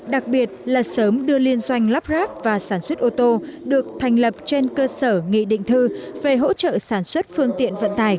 đặc biệt là sớm đưa liên doanh lắp ráp và sản xuất ô tô được thành lập trên cơ sở nghị định thư về hỗ trợ sản xuất phương tiện vận tải